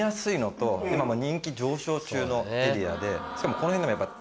しかもこの辺の方がやっぱ。